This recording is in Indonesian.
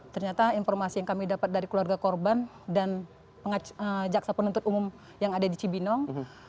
ternyata informasi yang kami dapat dari keluarga korban dan jaksa penuntut umum yang ada di cibinong